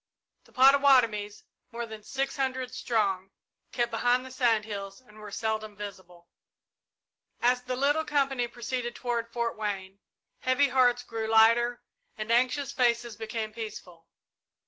The Pottawattomies, more than six hundred strong, kept behind the sand hills and were seldom visible. As the little company proceeded toward Fort Wayne, heavy hearts grew lighter and anxious faces became peaceful.